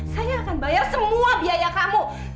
saya akan bayar semua biaya kamu